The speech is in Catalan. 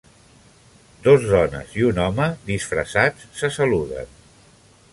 Dos dones i un home disfressats se saluden.